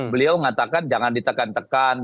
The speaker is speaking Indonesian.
beliau mengatakan jangan ditekan tekan